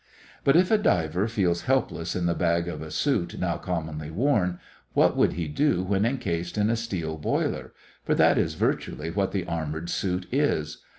But if a diver feels helpless in the bag of a suit now commonly worn, what would he do when encased in a steel boiler; for that is virtually what the armored suit is!